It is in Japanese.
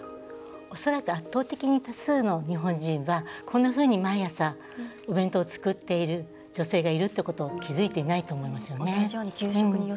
おそらく圧倒的に多数な日本人はこんなふうにお弁当を毎朝作っている女性がいると気付いていないと思います。